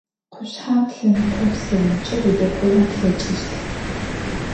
Къушъхьэм лъэныкъо пстэумкӏи удэкӏоен плъэкӏыщт.